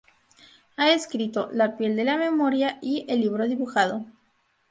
Ha escrito "La piel de la memoria" y "El libro dibujado.